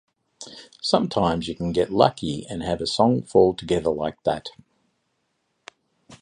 Sometimes you can get lucky and have a song fall together like that.